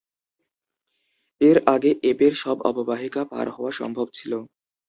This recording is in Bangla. এর আগে এপের সব অববাহিকা পার হওয়া সম্ভব ছিল।